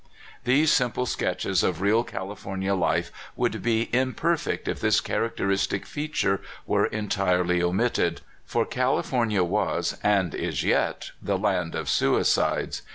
These simple Sketches of real California life would be imperfect if this characteristic feature were entire ty omitted, for California was (and is yet) the land of suicides.